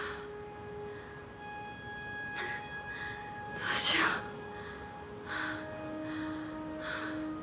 どうしようハァハァ。